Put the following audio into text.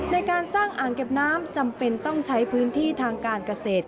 ในการสร้างอ่างเก็บน้ำจำเป็นต้องใช้พื้นที่ทางการเกษตร